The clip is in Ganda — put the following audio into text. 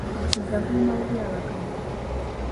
Omusujja guluma bubi abakadde.